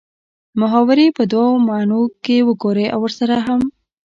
محاورې په دوو معنو کښې وګورئ او ورسره هم